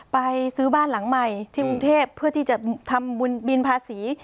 ไปซื้อบ้านหลังใหม่ที่กรุงเทพเพื่อที่จะทำบุญบินภาษี